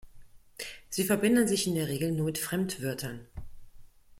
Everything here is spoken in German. Sie verbinden sich in der Regel nur mit Fremdwörtern.